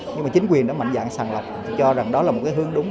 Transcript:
nhưng mà chính quyền đã mạnh dạng sàng lọc cho rằng đó là một cái hướng đúng